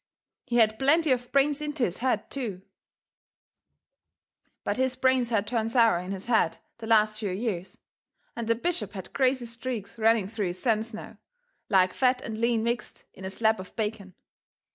He had plenty of brains into his head, too; but his brains had turned sour in his head the last few years, and the bishop had crazy streaks running through his sense now, like fat and lean mixed in a slab of bacon.